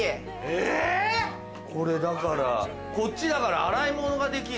えぇ⁉これだからこっちだから洗い物ができるの？